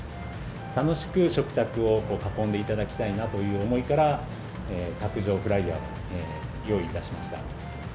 楽しく食卓を囲んでいただきたいなという思いから、卓上フライヤーを用意いたしました。